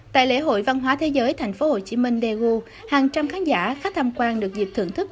tại lễ hội văn hóa thế giới tp hcm daegu hàng trăm khán giả khách tham quan được dịp thưởng thức